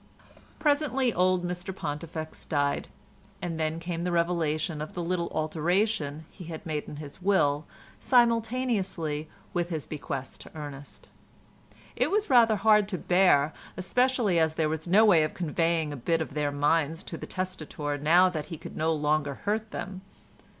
Presently old Mr Pontifex died, and then came the revelation of the little alteration he had made in his will simultaneously with his bequest to Ernest. It was rather hard to bear, especially as there was no way of conveying a bit of their minds to the testator now that he could no longer hurt them.